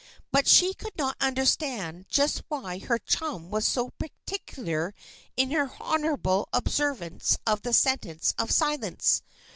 But she could not understand just why her chum was so particular in her honorable observance of the sentence of silence.